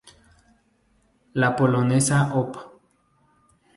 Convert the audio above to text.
La polonesa op.